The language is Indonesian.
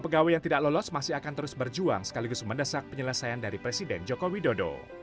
pegawai yang tidak lolos masih akan terus berjuang sekaligus mendesak penyelesaian dari presiden joko widodo